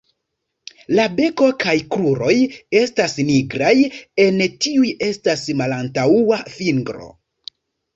La beko kaj kruroj estas nigraj; en tiuj estas malantaŭa fingro.